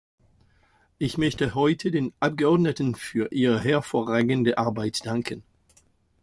Ich möchte heute den Abgeordneten für ihre hervorragende Arbeit danken.